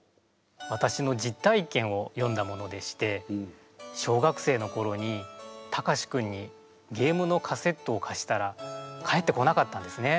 わたしの実体験を詠んだものでして小学生のころにタカシ君にゲームのカセットをかしたら返ってこなかったんですね。